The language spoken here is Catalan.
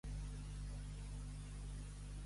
Predica, Roc, que t'escolte poc.